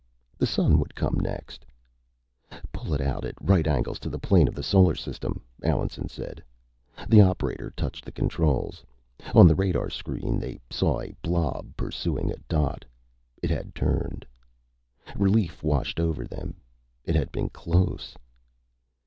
The Sun would come next. "Pull it out at right angles to the plane of the Solar System," Allenson said. The operator touched the controls. On the radar screen, they saw a blob pursuing a dot. It had turned. Relief washed over them. It had been close!